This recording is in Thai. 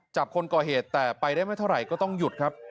คนก่อเหตุแต่ไปได้ไม่เท่าไหร่ก็ต้องหยุดครับ